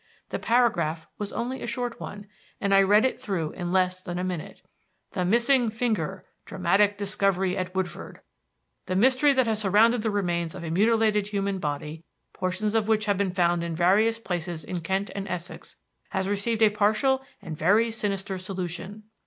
The paragraph was only a short one, and I read it through in less than a minute. "THE MISSING FINGER "DRAMATIC DISCOVERY AT WOODFORD "The mystery that has surrounded the remains of a mutilated human body, portions of which have been found in various places in Kent and Essex, has received a partial and very sinister solution.